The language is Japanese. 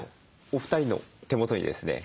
お二人の手元にですね